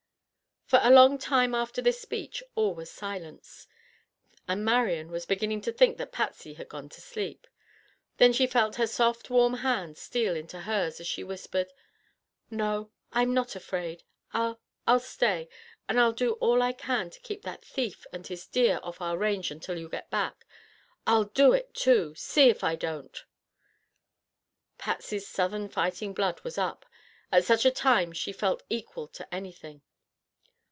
For a long time after this speech all was silence, and Marian was beginning to think that Patsy had gone to sleep. Then she felt her soft warm hand steal into hers as she whispered: "No, I'm not afraid. I—I'll stay, and I'll do all I can to keep that thief and his deer off our range until you get back. I'll do it, too! See if I don't!" Patsy's southern fighting blood was up. At such a time she felt equal to anything.